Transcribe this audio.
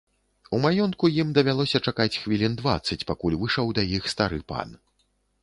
У маёнтку ім давялося чакаць хвілін дваццаць, пакуль выйшаў да іх стары пан.